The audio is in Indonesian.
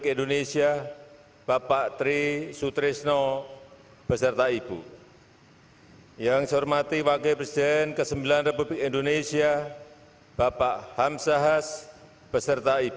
inspektur upacara berkenan menuju mimbar kehormatan